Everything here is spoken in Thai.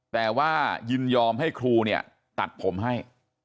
แต่ว่ายินยอมให้ครูเนี่ยตัดผมให้